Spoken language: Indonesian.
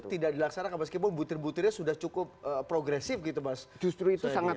tidak dilaksanakan meskipun butir butirnya sudah cukup progresif gitu mas justru itu sangat